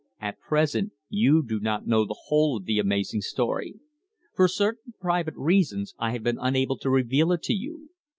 "At present you do not know the whole of the amazing story. For certain private reasons I have been unable to reveal it to you.